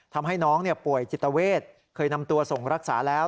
ทำให้น้องป่วยจิตเวทเคยนำตัวส่งรักษาแล้ว